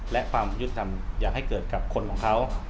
และความยุติธรรมอยากให้เกิดกับคนของเขา